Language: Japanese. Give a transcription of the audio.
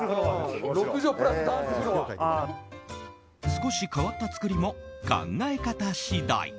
少し変わった造りも考え方次第。